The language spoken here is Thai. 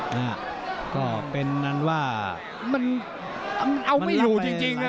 นี่ก็เป็นนั่นว่ามันเอาไม่อยู่จริงจริงเลย